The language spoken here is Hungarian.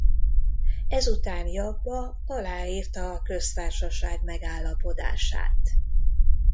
Ezután Jabba aláírta a köztársaság megállapodását.